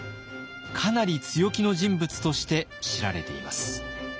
かなり強気の人物として知られています。